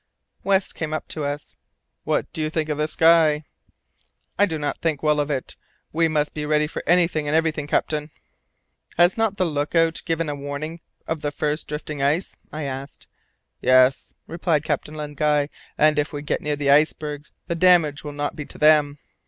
West came up to us. "What do you think of the sky?" "I do not think well of it. We must be ready for anything and everything, captain." "Has not the look out given warning of the first drifting ice?" I asked. "Yes," replied Captain Len Guy, "and if we get near the icebergs the damage will not be to them.